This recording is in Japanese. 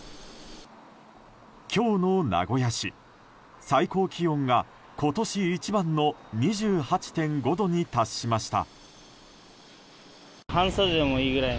今日の名古屋市最高気温が今年一番の２８．５度に達しました。